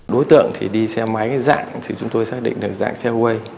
đối tượng thì đi xe máy dạng thì chúng tôi xác định được dạng xe wales